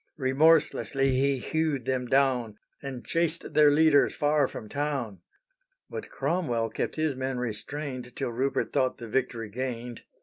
Remorselessly he hewed them down, And chased their leaders far from town. But Cromwell kept his men restrained Till Rupert thought the victory gained.